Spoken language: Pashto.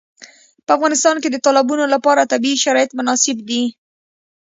په افغانستان کې د تالابونه لپاره طبیعي شرایط مناسب دي.